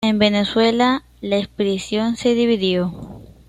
En Venezuela la expedición se dividió.